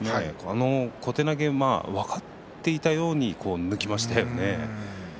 小手投げも分かっていたように抜きましたよね。